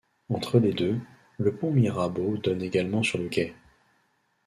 Entre les deux, le pont Mirabeau donne également sur le quai.